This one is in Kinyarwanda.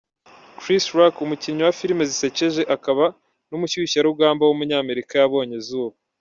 Chris Rock, umukinnyi wa filime zisekeje akaba n’umushyushyarugamba w’umunyamerika yabonye izuba.